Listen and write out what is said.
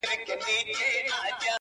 څه پیسې لرې څه زر څه مرغلري.!